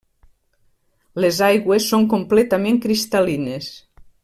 Les aigües són completament cristal·lines.